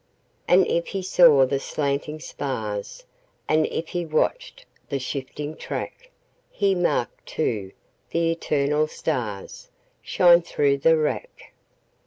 And if he saw the slanting spars, And if he watched the shifting track, He marked, too, the eternal starsShine through the wrack.